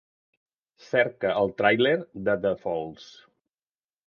Cerca el tràiler de The Falls